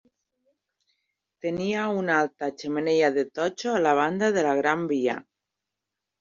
Tenia una alta xemeneia de totxo a la banda de la Gran Via.